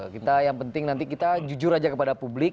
kita yang penting nanti kita jujur aja kepada publik